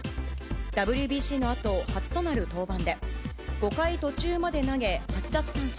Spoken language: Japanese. ＷＢＣのあと、初となる登板で、５回途中まで投げ、８奪三振。